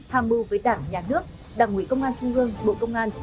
tham mưu với đảng nhà nước đảng ủy công an trung ương bộ công an